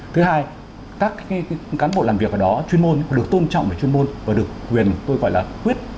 thứ hai các cán bộ làm việc ở đó chuyên môn được tôn trọng về chuyên môn và được quyền tôi gọi là quyết